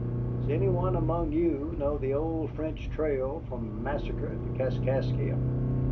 Does any one among you know the old French trail from Massacre to Kaskaskia?"